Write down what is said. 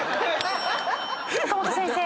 岡本先生。